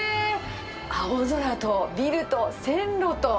青空とビルと線路と。